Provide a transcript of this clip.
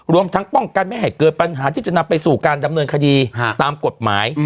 รวมทั้งป้องกันไม่ให้เกิดปัญหาที่จะนำไปสู่การดำเนินคดีตามกฎหมาย